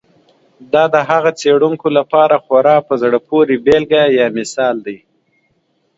دا د هغو څېړونکو لپاره خورا په زړه پورې بېلګه ده.